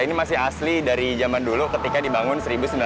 ini masih asli dari zaman dulu ketika dibangun seribu sembilan ratus sembilan puluh